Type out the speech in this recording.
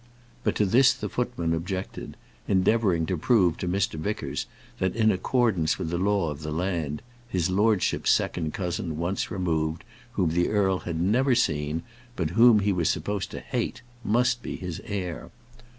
But to this the footman objected, endeavouring to prove to Mr. Vickers that, in accordance with the law of the land, his lordship's second cousin, once removed, whom the earl had never seen, but whom he was supposed to hate, must be his heir.